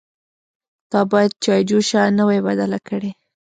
_تا بايد چايجوشه نه وای بدله کړې.